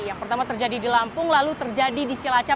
yang pertama terjadi di lampung lalu terjadi di cilacap